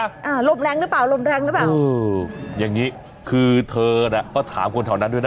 อารมณ์แรงหรือเปล่าลมแรงหรือเปล่าเอออย่างงี้คือเธอน่ะก็ถามคนแถวนั้นด้วยนะ